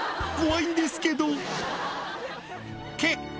怖いんですけど。